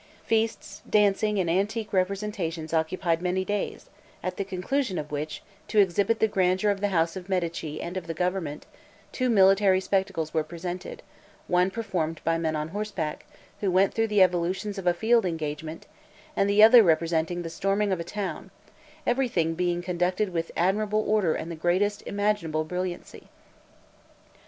Feasts, dancing, and antique representations occupied many days; at the conclusion of which, to exhibit the grandeur of the house of Medici and of the government, two military spectacles were presented, one performed by men on horseback, who went through the evolutions of a field engagement, and the other representing the storming of a town; everything being conducted with admirable order and the greatest imaginable brilliancy.